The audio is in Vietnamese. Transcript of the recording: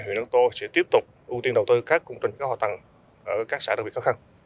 huyện đắc tô sẽ tiếp tục ưu tiên đầu tư các công trình hạ tầng ở các xã đặc biệt khó khăn